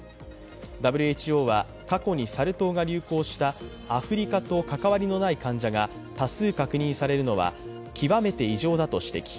ＷＨＯは過去にサル痘が流行したアフリカに関わりのない患者が多数確認されのは極めて異常だと指摘。